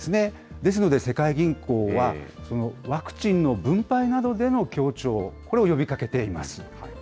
ですので、世界銀行はワクチンの分配などでの協調、これを呼びかけています。